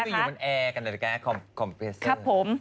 อยู่บนแอร์กันด้วยแก๊สคอมเฟสเซอร์